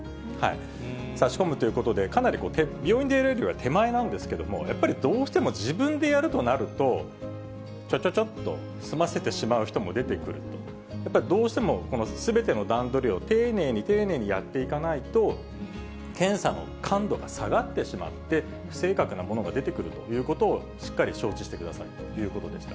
さし込むということで、病院でやるときは手前なんですけども、やっぱりどうしても自分でやるとなると、ちょちょちょっと済ませてしまう人も出てくるので、やっぱりどうしても、このすべての段取りを丁寧に丁寧にやっていかないと、検査の感度が下がってしまって、不正確なものが出てくるということを、しっかり承知してくださいということでした。